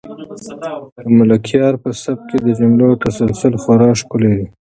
د ملکیار په سبک کې د جملو تسلسل خورا ښکلی دی.